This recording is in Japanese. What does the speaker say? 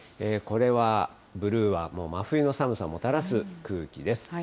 これはブルーはもう真冬の寒さをもたらす空気です。